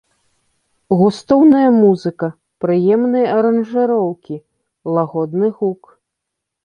Густоўная музыка, прыемныя аранжыроўкі, лагодны гук.